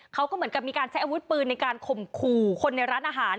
เขาก็เหมือนกับมีการใช้อาวุธปืนในการข่มขู่คนในร้านอาหาร